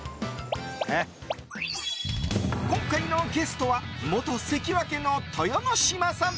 今回のゲストは元関脇の豊ノ島さん。